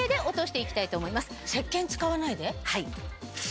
はい。